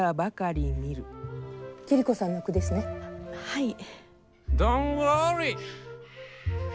はい。